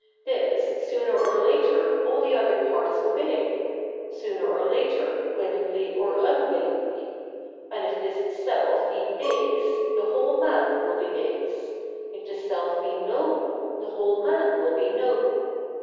This sooner or later all the other parts obey — sooner or later, willingly or unwillingly ; and if this Self be base, the whole man will be base ; if the Self be noble, the whole man will be noble.